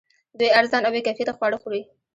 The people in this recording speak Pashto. دوی ارزان او بې کیفیته خواړه خوري